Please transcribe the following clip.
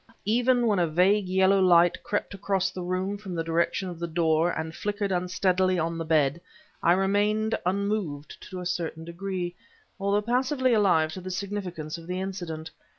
Even when a vague yellow light crept across the room from the direction of the door, and flickered unsteadily on the bed, I remained unmoved to a certain degree, although passively alive to the significance of the incident.